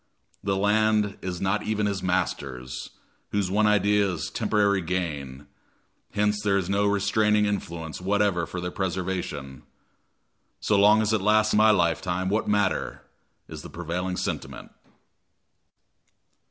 The land is not even his master's, whose one idea is temporary gain, hence there is no restraining influence whatever for their preservation. "So long as it lasts my lifetime, what matter?" is the prevailing sentiment.